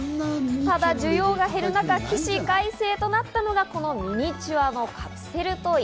ただ需要が減る中、起死回生となったのがこのミニチュアのカプセルトイ。